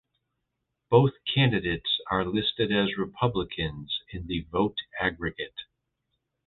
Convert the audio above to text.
Both candidates are listed as Republicans in the vote aggregate.